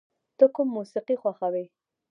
ته کوم موسیقی خوښوې؟